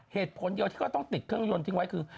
เหตุผลเดียวที่ก็ต้องติดเครื่องยนต์ทิ้งไว้คือ